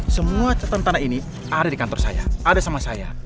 semua catatan tanah ini ada di kantor saya ada sama saya